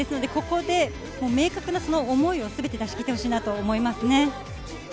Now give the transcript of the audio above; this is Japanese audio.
ここで明確な思いをすべて出し切ってほしいなと思います。